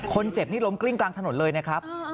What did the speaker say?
คนเจ็บนี่ล้มกลิ้งกลางถนนเลยนะครับ